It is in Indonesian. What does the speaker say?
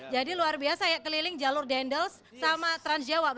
jadi luar biasa ya keliling jalur dendels sama transjawa